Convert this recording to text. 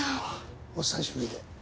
お久しぶりで。